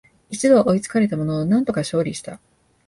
一度は追いつかれたものの、なんとか勝利した